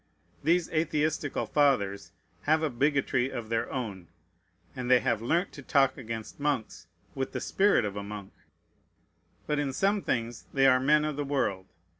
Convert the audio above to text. These atheistical fathers have a bigotry of their own; and they have learnt to talk against monks with the spirit of a monk. But in some things they are men of the world.